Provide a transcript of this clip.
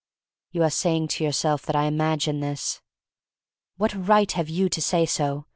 You are saying to yourself that I imagine this. What right have you to say so?